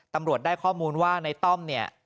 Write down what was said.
ตำรวจได้ข้อมูลว่าในต้อมเนี่ย